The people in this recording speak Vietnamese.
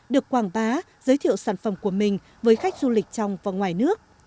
được quảng bá giới thiệu sản phẩm của mình với khách du lịch trong và ngoài nước